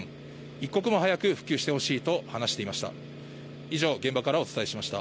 一刻も早く復旧してほしいと話していました。